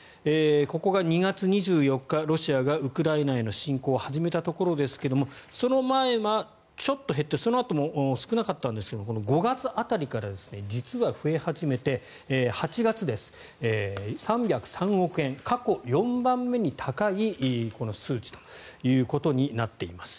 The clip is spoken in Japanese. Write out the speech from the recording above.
ここが２月２４日、ロシアがウクライナへの侵攻を始めたところですがその前、ちょっと減ってそのあとも少なかったんですが５月辺りから実は増え始めて８月です、３０３億円過去４番目に高い数値となっています。